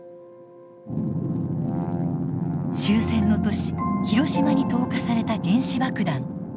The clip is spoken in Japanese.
終戦の年広島に投下された原子爆弾。